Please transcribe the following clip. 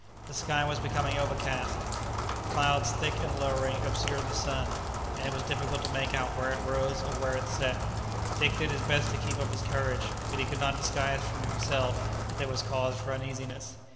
The sky was becoming overcast; clouds, thick and lowering, obscured the sun, and it was difficult to make out where it rose or where it set. Dick did his best to keep up his courage, but he could not disguise from himself that there was cause for uneasiness.